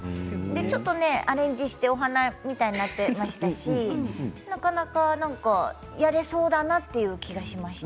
ちょっとアレンジしてお花みたいになっていましたしなかなか、何かやれそうだなという気がしました。